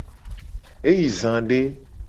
E yi za de.